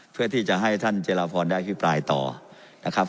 เพื่อที่จะให้ท่านเจรพรได้อภิปรายต่อนะครับ